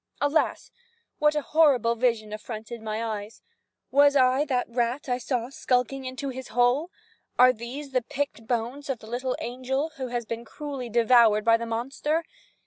Alas! what a horrible vision affronted my eyes? Was that a rat I saw skulking into his hole? Are these the picked bones of the little angel who has been cruelly devoured by the monster?